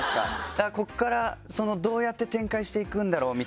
だからここからどうやって展開していくんだろうみたいな。